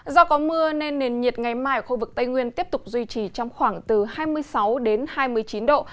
do có mưa nên nền nhiệt ngày mai ở khu vực tây nguyên tiếp tục duy trì trong khoảng từ hai mươi sáu hai mươi chín độ